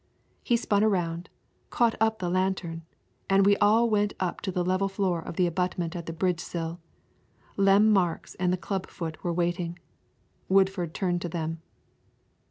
He spun around, caught up the lantern, and we all went up to the level floor of the abutment at the bridge sill. Lem Marks and the clubfoot were waiting. Woodford turned to them.